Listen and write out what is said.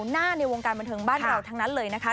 หน้าในวงการบันเทิงบ้านเราทั้งนั้นเลยนะคะ